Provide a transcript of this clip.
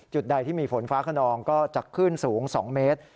ใดที่มีฝนฟ้าขนองก็จะคลื่นสูง๒เมตร